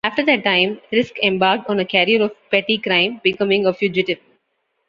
After that time, Risk embarked on a career of petty crime, becoming a fugitive.